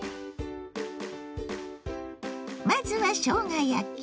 まずはしょうが焼き。